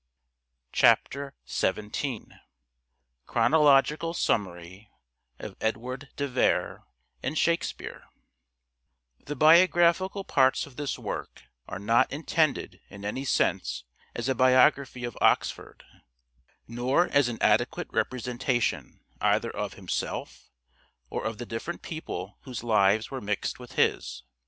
CHAPTER XVII CHRONOLOGICAL SUMMARY OF EDWARD DE VERB AND " SHAKESPEARE " THE biographical parts of this work are not intended in any sense as a biography of Oxford, nor as an adequate representation either of himself or of the different people whose lives were mixed with his.